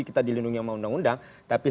kita dilindungi sama undang undang tapi